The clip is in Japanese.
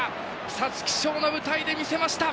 皐月賞の舞台で見せました。